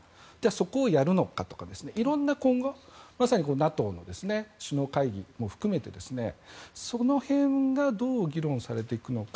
そこをやるのかとかいろんな今後まさにＮＡＴＯの首脳会議も含めてその辺がどう議論されていくのか。